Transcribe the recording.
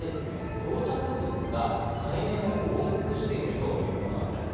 漂着物が海面も覆い尽くしているというものなんです。